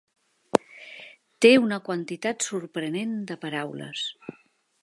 Té una quantitat sorprenent de paraules.